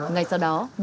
ngay sau đó